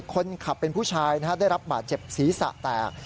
คนขับเป็นผู้ชายได้รับบาดเจ็บศีรษะแตก